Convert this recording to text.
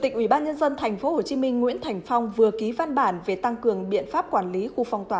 chủ tịch ubnd tp hcm nguyễn thành phong vừa ký văn bản về tăng cường biện pháp quản lý khu phong tỏa